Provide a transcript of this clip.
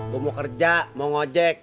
gue mau kerja mau ngojek